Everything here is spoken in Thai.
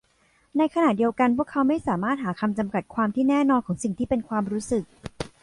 ในขณะเดียวกันพวกเขาไม่สามารถหาคำจำกัดความที่แน่นอนของสิ่งที่เป็นความรู้สึก